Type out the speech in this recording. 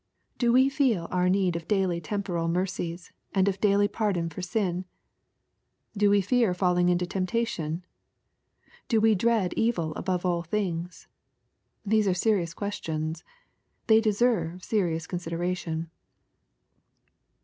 — Do we feel our need of daily temporal mercies, and of daily pardon of sin.? — Do we fear falling into temp tation .^^— Do we dread evil above all things ?— These are serious questions. They deserve serious consideration.